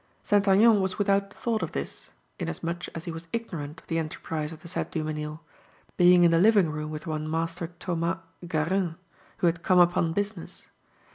St. Aignan was without thought of this, inasmuch as he was ignorant of the enterprise of the said Dumesnil, being in the living room with one Master Thomas Guérin, who had come upon business.